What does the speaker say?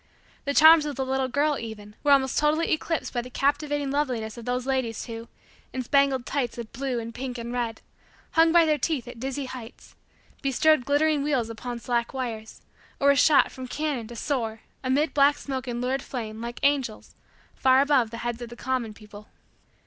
The charms of the little girl, even, were almost totally eclipsed by the captivating loveliness of those ladies who, in spangled tights of blue and pink and red, hung by their teeth at dizzy heights, bestrode glittering wheels upon slack wires, or were shot from cannon to soar, amid black smoke and lurid flame, like angels, far above the heads of the common people.